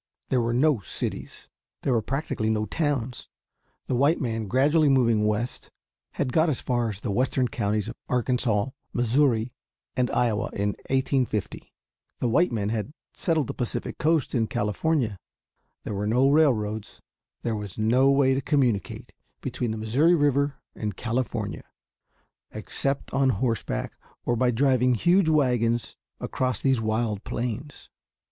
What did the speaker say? There were no cities. There were practically no towns. The white man gradually moving west had got as far as the western counties of Arkansas, Missouri, and Iowa in 1850; the white men had settled the Pacific coast in California; there were no railroads; there was no way to communicate between the Missouri River and California, except on horseback or by driving huge wagons across these wild plains.